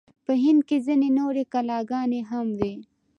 په هند کې ځینې نورې کلاګانې هم وې.